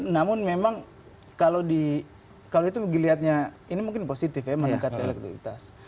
namun memang kalau itu dilihatnya ini mungkin positif ya meningkatkan elektabilitas